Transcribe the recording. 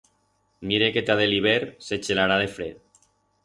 Mire que ta de l'hibert se chelará de fred.